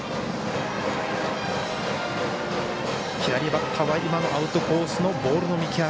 左バッターはアウトコースのボールの見極め